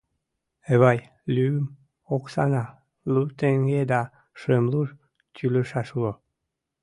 Эвай, лӱм оксана, лу теҥге да шымлур тӱлышаш уло.